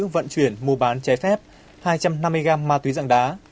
vận chuyển mua bán trái phép hai trăm năm mươi gram ma túy dạng đá